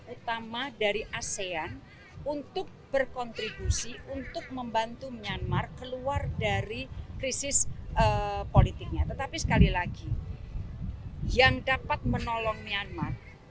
utama dari asean untuk berkontribusi untuk membantu myanmar keluar dari krisis eh eh eh eh